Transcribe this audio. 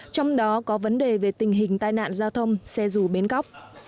trong đó có vấn đề về tình hình tai nạn giao thông xe rù bến góc